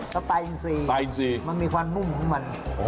แล้วปลาอินซีมันมีความมุ่มของมัน